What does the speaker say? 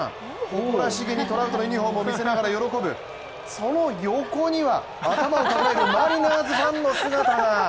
誇らしげにトラウトのユニフォームを見せながら喜ぶその横には、頭を抱えるマリナーズファンの姿が。